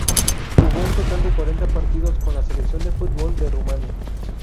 Jugó un total de cuarenta partidos con la selección de fútbol de Rumania.